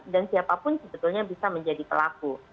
dan siapapun sebetulnya bisa menjadi pelaku